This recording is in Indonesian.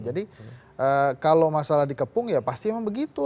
jadi kalau masalah dikepung ya pasti memang begitu